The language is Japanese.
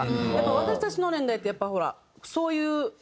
私たちの年代ってやっぱりほらそういうなんだろう